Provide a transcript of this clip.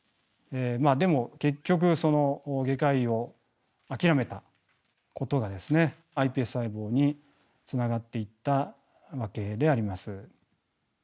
まあでも結局外科医を諦めたことがですねｉＰＳ細胞につながっていったわけであります。